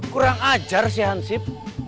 kurang ajar si hansip